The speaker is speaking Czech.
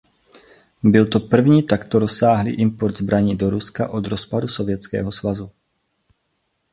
Byl by to první takto rozsáhlý import zbraní do Ruska od rozpadu Sovětského svazu.